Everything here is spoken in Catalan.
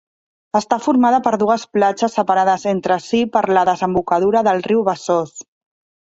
Està formada per dues platges separades entre si per la desembocadura del riu Besòs.